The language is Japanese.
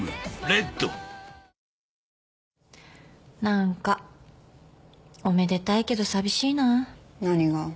何かおめでたいけど寂しいなぁ。